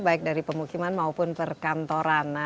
baik dari pemukiman maupun perkantoran